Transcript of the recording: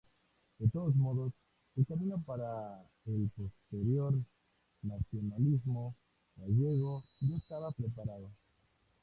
De todos modos, el camino para el posterior nacionalismo gallego ya estaba preparado.